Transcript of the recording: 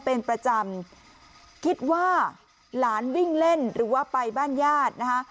เป็นประจำคิดว่าหลานวิ่งเล่นหรือว่าไปบ้านญาตินะคะ